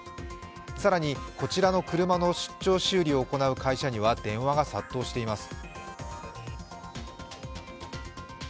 更にこちらの車の主張修理を行う会社には電話が殺到しています。